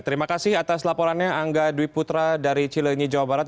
terima kasih atas laporannya angga dwi putra dari cilenyi jawa barat